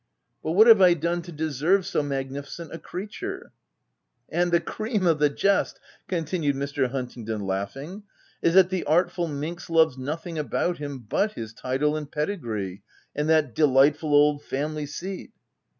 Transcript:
But what have I done to deserve so magnificent a creature ?' u And the cream of the jest," continued Mr. Huntingdon, laughing, " is that the artful minx loves nothing about him, but his title and pedi gree, and ' that delightful old family seat.'